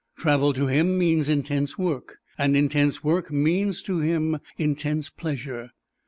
Travel to him means intense work; and intense work means to him intense pleasure.